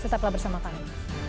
setaplah bersama kami